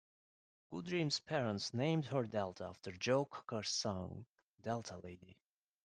Goodrem's parents named her Delta after Joe Cocker's song "Delta Lady".